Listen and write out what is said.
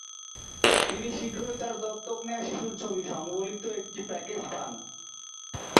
তিনি শীঘ্রই তার দত্তক নেয়া শিশুর ছবি সংবলিত একটি প্যাকেজ পান।